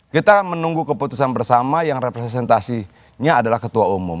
kita menunggu keputusan bersama yang representasinya adalah ketua umum